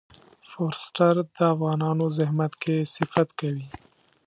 فورسټر د افغانانو زحمت کښی صفت کوي.